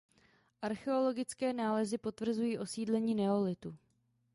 Archeologické nálezy potvrzují osídlení neolitu.